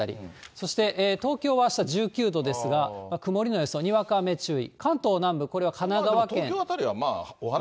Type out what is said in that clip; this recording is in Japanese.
そして東京はあした１９度ですが、曇りの予想、にわか雨注意。